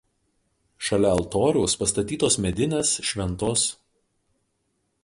Šalia altoriaus pastatytos medinės šv.